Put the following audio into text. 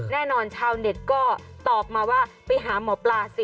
แน่นอนชาวเน็ตก็ตอบมาว่าไปหาหมอปลาสิ